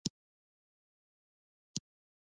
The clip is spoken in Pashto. مصنوعي ځیرکتیا د ټولنیز مسؤلیت احساس زیاتوي.